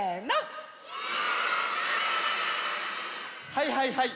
はいはいはい。